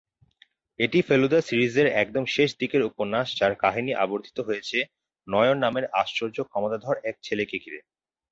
এটি ফেলুদা সিরিজের একদম শেষ দিকের উপন্যাস যার কাহিনী আবর্তিত হয়েছে নয়ন নামের আশ্চর্য ক্ষমতাধর এক ছেলেকে ঘিরে।